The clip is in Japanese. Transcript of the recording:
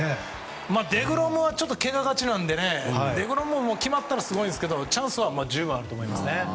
デグロムはけががちなのでデグロムに決まったらすごいですけどチャンスはあると思います。